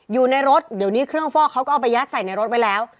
อยู่ในรถเดี๋ยวนี้เครื่องฟอกเขาก็เอาไปยัดใส่ในรถไว้แล้ว